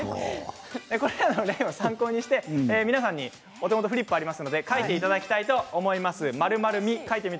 この例を参考にして、皆さんにお手元にフリップがありますので書いていただきたいと思います。